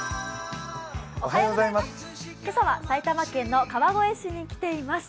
今朝は埼玉県の川越市に来ています。